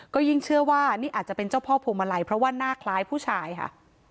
ก็ยิ่งเชื่อว่านี่อาจจะเป็นเจ้าพ่อพวงมาลัยเพราะว่าหน้าคล้ายผู้ชายค่ะ